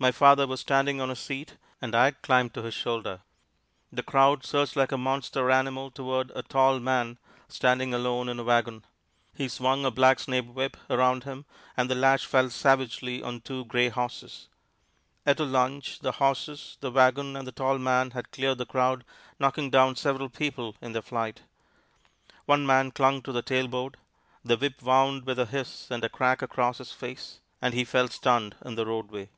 My father was standing on a seat, and I had climbed to his shoulder. The crowd surged like a monster animal toward a tall man standing alone in a wagon. He swung a blacksnake whip around him, and the lash fell savagely on two gray horses. At a lunge, the horses, the wagon and the tall man had cleared the crowd, knocking down several people in their flight. One man clung to the tailboard. The whip wound with a hiss and a crack across his face, and he fell stunned in the roadway.